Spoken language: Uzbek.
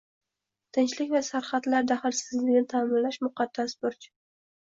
Tinchlik va sarhadlar daxlsizligini ta’minlash – muqaddas burch